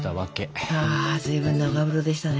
ああ随分長風呂でしたね。